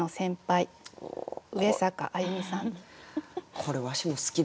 これわしも好きです。